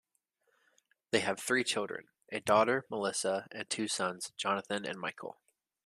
They have three children: a daughter, Melissa, and two sons, Jonathan and Michael.